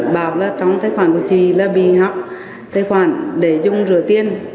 bảo là trong tài khoản của chị là bị học tài khoản để dùng rửa tiền